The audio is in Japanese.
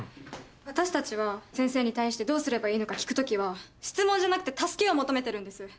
私たちが先生に対してどうすればいいのか聞くときは質問じゃなくて助けを求めてるんです。